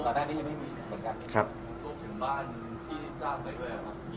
ก่อนต่อได้ที่ยังไม่มีคนกันครับครับบ้านที่จ้างไปด้วยครับ